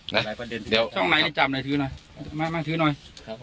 นะช่องไหนจำหน่อยทื้อหน่อยมามาทื้อหน่อยครับ